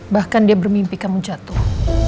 bahkan dia bermimpi kamu jatuh